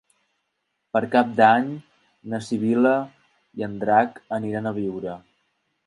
Per Cap d'Any na Sibil·la i en Drac aniran a Biure.